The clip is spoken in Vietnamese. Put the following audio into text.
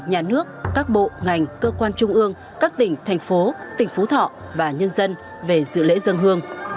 nhà nước các bộ ngành cơ quan trung ương các tỉnh thành phố tỉnh phú thọ và nhân dân về dự lễ dân hương